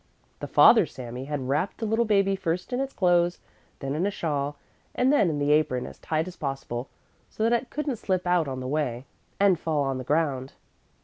The father Sami had wrapped the little baby first in its clothes, then in a shawl, and then in the apron as tight as possible, so that it couldn't slip out on the way, and fall on the ground.